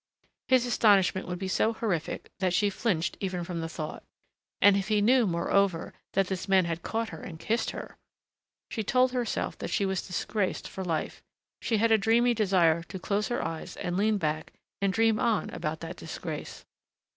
His astonishment would be so horrific that she flinched even from the thought. And if he knew, moreover, that this man had caught her and kissed her ! She told herself that she was disgraced for life. She had a dreamy desire to close her eyes and lean back and dream on about that disgrace....